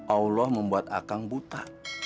allah membuat akang buta